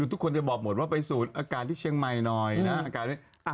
ทุกคนจะบอกหมดว่าไปสูดอาการที่เชียงใหม่หน่อยนะอาการนี้